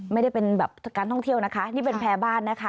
ไม่ได้เป็นแบบการท่องเที่ยวนะคะนี่เป็นแพร่บ้านนะคะ